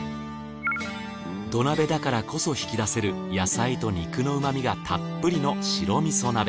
土鍋だからこそ引き出せる野菜と肉の旨みがたっぷりの白味噌鍋。